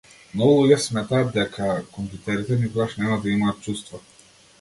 Многу луѓе сметаат дека компјутерите никогаш нема да имаат чувства.